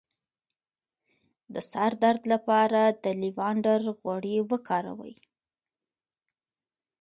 د سر درد لپاره د لیوانډر غوړي وکاروئ